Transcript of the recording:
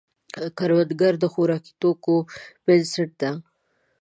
کروندګر د خوراکي توکو بنسټ دی